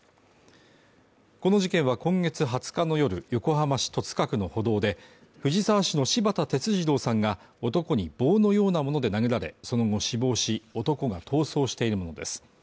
この事件は今月２０日の夜、横浜市戸塚区の歩道で、藤沢市の柴田哲二郎さんが男に棒のようなもので殴られその後死亡し、男が逃走しているものです。